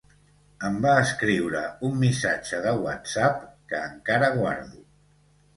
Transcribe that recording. Em va escriure un missatge de WhatsApp que encara guardo